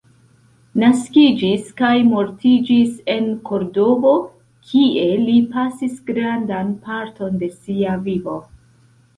Naskiĝis kaj mortiĝis en Kordovo, kie li pasis grandan parton de sia vivo.